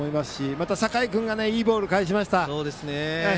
また酒井君がいいボールを返しました。